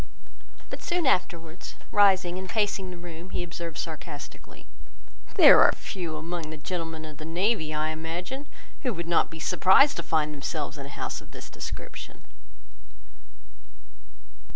But soon afterwards, rising and pacing the room, he observed sarcastically— "There are few among the gentlemen of the navy, I imagine, who would not be surprised to find themselves in a house of this description."